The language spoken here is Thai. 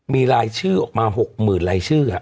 มีรายชื่อออกมา๖๐๐๐รายชื่อ